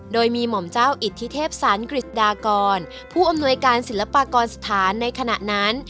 โดยมีหม่อมเจ้าอิทธิเทพศาลกฤษฎากรผู้อำนวยการศิลปากรสถานในขณะนั้น